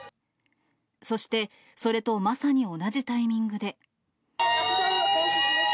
そして、それとまさに同じタイミングで。